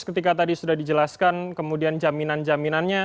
ketika tadi sudah dijelaskan kemudian jaminan jaminannya